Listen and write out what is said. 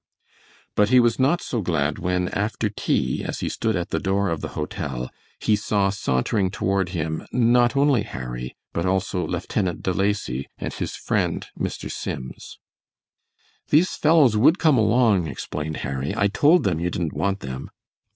But he was not so glad when, after tea, as he stood at the door of the hotel, he saw sauntering toward him not only Harry, but also Lieutenant De Lacy and his friend Mr. Sims. "These fellows would come along," explained Harry; "I told them you didn't want them."